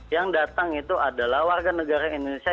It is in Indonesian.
yang datang itu adalah warga negara indonesia